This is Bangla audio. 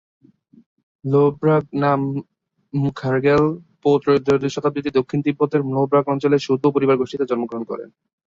ল্হো-ব্রাগ-নাম-ম্খা'-র্গ্যাল-পো ত্রয়োদশ শতাব্দীতে দক্ষিণ তিব্বতের ল্হো-ব্রাগ অঞ্চলে শুদ-বু পরিবারগোষ্ঠীতে জন্মগ্রহণ করেন।